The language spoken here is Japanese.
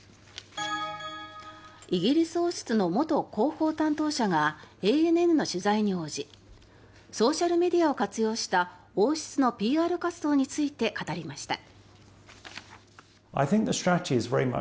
イギリス王室の元広報担当者がＡＮＮの取材に応じソーシャルメディアを活用した王室のＰＲ活動について語りました。